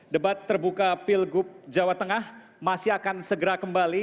debat terbuka pilgub jawa tengah masih akan segera kembali